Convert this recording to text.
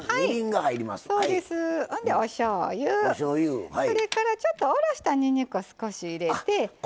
おしょうゆ、ちょっとおろしたにんにくを少し入れて。